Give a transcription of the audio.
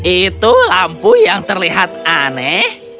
itu lampu yang terlihat aneh